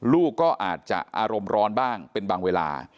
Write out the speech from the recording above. ลูกก็อาจจะอารมณ์ร้อนบ้างเป็นบางเวลา